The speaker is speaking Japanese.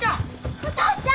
お父ちゃん！